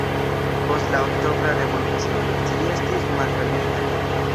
Post la Oktobra Revolucio ĝi estis malfermita.